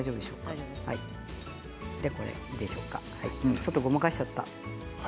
ちょっとごまかしちゃった。